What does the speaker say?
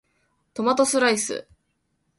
トマトスライス